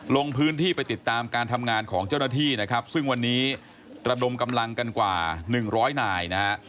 ลงพื้นที่ไปติดตามการทำงานของเจ้าหน้าที่นะครับซึ่งวันนี้ระดมกำลังกันกว่าหนึ่งร้อยนายนะฮะ